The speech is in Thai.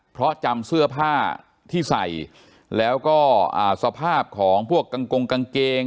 เพราะจำเสื้อผ้าที่ใส่แล้วก็สภาพของพวกกางกงกางเกง